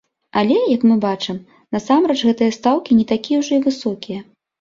Але, як мы бачым, насамрэч гэтыя стаўкі не такія ўжо і высокія.